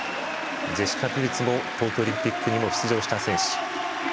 ジェシカ・ピルツも東京オリンピックにも出場した選手。